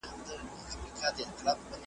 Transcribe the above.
انسانان چي له غوایانو په بېلېږي .